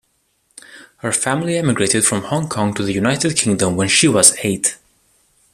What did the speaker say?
Her family emigrated from Hong Kong to the United Kingdom when she was eight.